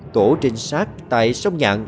tổ trình sát tại sông nhạn